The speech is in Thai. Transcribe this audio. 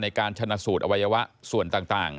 ในการชนะสูตรอวัยวะส่วนต่าง